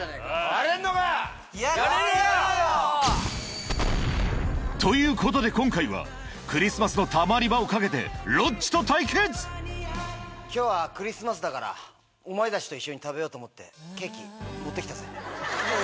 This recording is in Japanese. やれんのか⁉やってやんよ！ということで今回はクリスマスのたまり場を懸けて今日はクリスマスだからお前たちと一緒に食べようとケーキ持って来たぜ。